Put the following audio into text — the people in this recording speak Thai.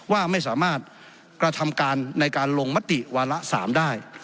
ว่าไม่สามารถกระทำการในการลงมติวาระ๓ได้